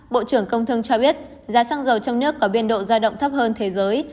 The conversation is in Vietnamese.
bộ trưởng công thương cho biết giá xăng dầu trong nước có biên độ giao động thấp hơn thế giới